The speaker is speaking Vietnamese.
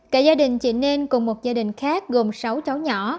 cả gia đình chị nên cùng một gia đình khác gồm sáu cháu nhỏ